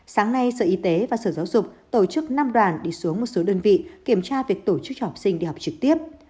sáng nay sở y tế và sở giáo dục tổ chức năm đoàn đi xuống một số đơn vị kiểm tra việc tổ chức cho học sinh đi học trực tiếp